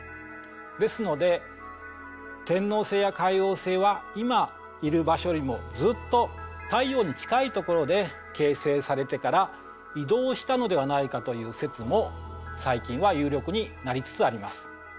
ですので天王星や海王星は今いる場所よりもずっと太陽に近いところで形成されてから移動したのではないかという説も最近は有力になりつつあります。